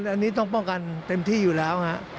อันนี้ต้องป้องกันเต็มที่อยู่แล้ว